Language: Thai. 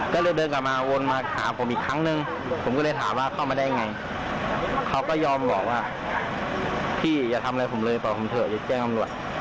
ก็เลยเดินกลับมาวนมาหาผมอีกครั้งนึงผมก็เลยถามว่าเข้ามาได้ยังไงเขาก็ยอมบอกว่าพี่อย่าทำอะไรผมเลยบอกผมเถอะอย่าแจ้งตำรวจ